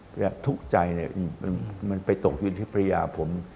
พรรภ์ทุกข์ใจหนิมันไปตกอยู่ที่พรรยาผม